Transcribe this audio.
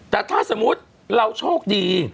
แต่ถ้าสมมุติเราโชคดี